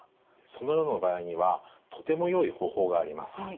そのような場合にはとてもよい方法があります。